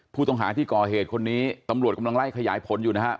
ผู้ต้องหาที่ก่อเหตุคนนี้ตำรวจกำลังไล่ขยายผลอยู่นะฮะ